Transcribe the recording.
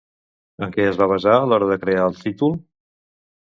En què es va basar a l'hora de crear el títol?